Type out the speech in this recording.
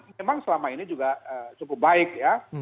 memang selama ini juga cukup baik ya